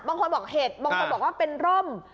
บางคนบอกเห็ดบางคนบอกว่าเป็นร่ม